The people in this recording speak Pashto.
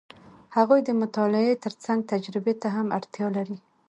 هغوی د مطالعې ترڅنګ تجربې ته هم اړتیا لري.